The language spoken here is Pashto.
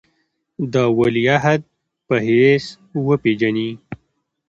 د ولیعهد په حیث وپېژني.